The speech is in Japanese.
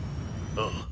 ああ